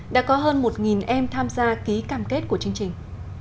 đã có hơn một em tham gia ký cam kết của chương trình